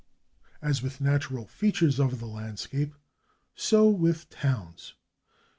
As with natural features of the landscape, so with towns.